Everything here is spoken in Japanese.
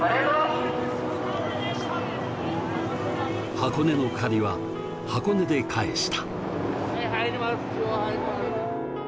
箱根の借りは箱根で返した。